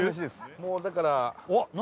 もうだから何？